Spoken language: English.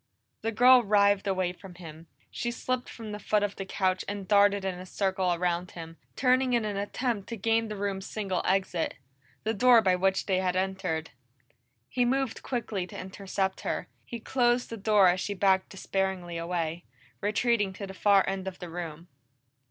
The girl writhed away from him. She slipped from the foot of the couch and darted in a circle around him, turning in an attempt to gain the room's single exit the door by which they had entered. He moved quickly to intercept her; he closed the door as she backed despairingly away, retreating to the far end of the room.